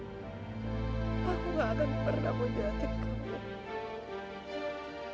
aku tidak akan pernah menjahatkan kamu